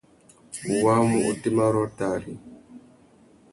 U wāmú otémá rôō tari ?